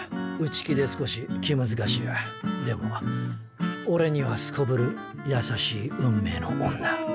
内気で少し気難しいがでもオレにはすこぶる優しい運命の女